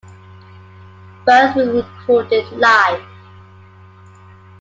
Both were recorded live.